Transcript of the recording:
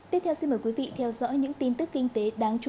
tiếp theo xin mời quý vị theo dõi những tin tức kinh tế đáng chú ý